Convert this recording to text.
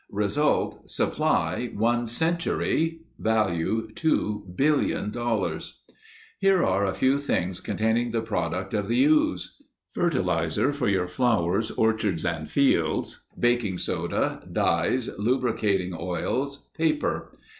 Result, supply one century; value two billion dollars. Here are a few things containing the product of the ooze. Fertilizer for your flowers, orchards, and fields. Baking soda, dyes, lubricating oils, paper.